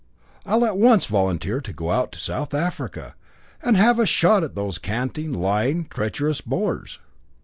I'll at once volunteer to go out to South Africa, and have a shot at those canting, lying, treacherous Boers.